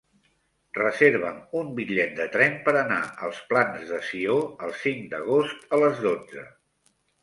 Reserva'm un bitllet de tren per anar als Plans de Sió el cinc d'agost a les dotze.